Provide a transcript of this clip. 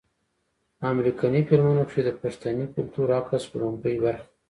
امريکني فلمونو کښې د پښتني کلتور عکس وړومبۍ برخه